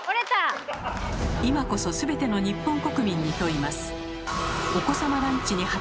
今こそすべての日本国民に問います。